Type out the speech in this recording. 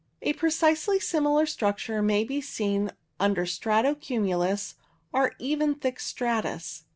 A precisely similar structure may be seen under strato cumulus, or even thick stratus.